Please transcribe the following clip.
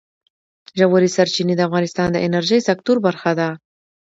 ژورې سرچینې د افغانستان د انرژۍ سکتور برخه ده.